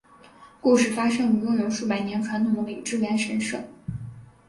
故事发生于拥有数百年传统的苇之原神社。